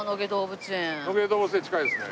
野毛動物園近いですね。